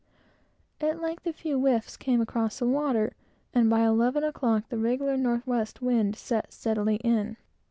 At length, a few whiffs came across the water, and, by eleven o'clock, the regular north west wind set steadily in.